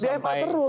di ma terus